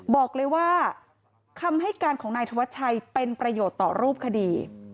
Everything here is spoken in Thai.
บอกเลยว่าคำให้การของนายธวัชชัยเป็นประโยชน์ต่อรูปคดี